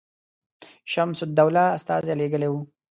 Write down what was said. شمس الدوله استازی لېږلی وو.